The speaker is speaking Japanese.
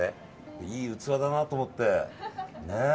良い器だなと思って。